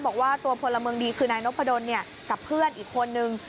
บอกว่าตัวพลเมืองดีคือนายนพดลกับเพื่อนอีกคนนึง